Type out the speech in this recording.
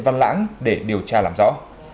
văn lãng để điều tra làm rõ